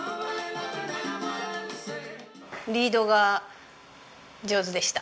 リードが上手でした。